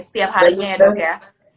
setiap harinya ya dok ya